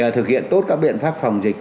thực hiện tốt các biện pháp phòng dịch